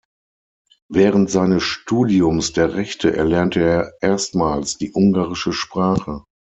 Während seines Studiums der Rechte erlernte er erstmals die ungarische Sprache.